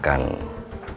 aku yang tanpa sengaja